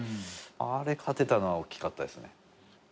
あれ勝てたのは大きかったですね。